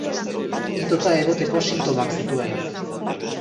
Itota egoteko sintomak zituen.